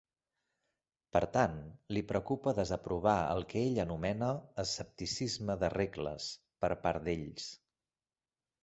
Per tant, li preocupa desaprovar el que ell anomena "escepticisme de regles" per part d'ells.